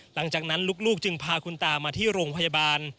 หลังจากนั้นลูกจึงพาคุณตามาที่โรงพยาบาล